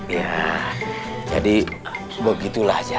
ya jadi begitulah aja